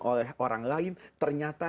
oleh orang lain ternyata